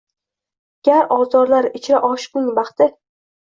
Gar ozorlar ichra oshiqning baxti!